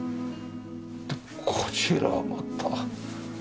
でこちらはまた贅沢な。